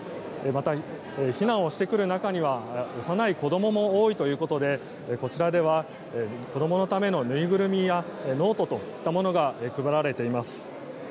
また、避難してくる中には幼い子供も多いということでこちらでは子供のためのぬいぐるみやノートといったものが配られています。